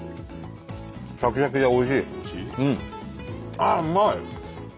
ああうまい！